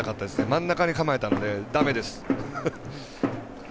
真ん中に構えたのでだめです。